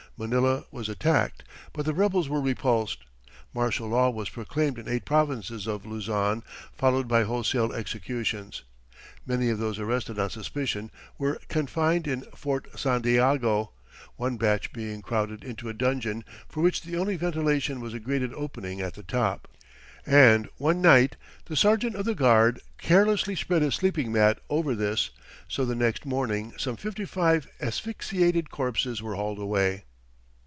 Manila was attacked, but the rebels were repulsed. Martial law was proclaimed in eight provinces of Luzon, followed by wholesale executions. Many of those arrested on suspicion "were confined in Fort Santiago, one batch being crowded into a dungeon for which the only ventilation was a grated opening at the top, and one night the sergeant of the guard carelessly spread his sleeping mat over this, so the next morning some fifty five asphyxiated corpses were hauled away."